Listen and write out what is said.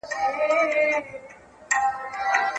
د ملکیار په سبک کې د احساساتو انتقال په ډېر مهارت شوی دی.